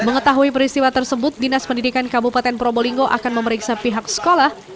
mengetahui peristiwa tersebut dinas pendidikan kabupaten probolinggo akan memeriksa pihak sekolah